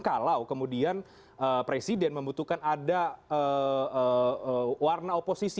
kalau kemudian presiden membutuhkan ada warna oposisi